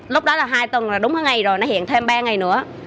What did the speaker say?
lúc đó là hai tuần là đúng cái ngày rồi nó hiện thêm ba ngày nữa